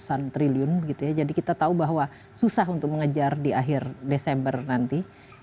dua ratus an triliun jadi kita tahu bahwa susah untuk mengejar di akhir desember nanti